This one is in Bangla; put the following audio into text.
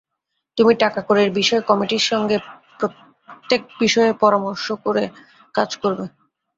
তুমি টাকাকড়ির বিষয় কমিটির সঙ্গে প্রত্যেক বিষয়ে পরামর্শ করে কাজ করবে।